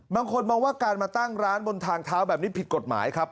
บางคนมองว่าการมาตั้งร้านบนทางเท้าแบบนี้ผิดกฎหมายครับ